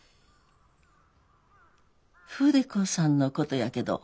筆子さんのことやけど。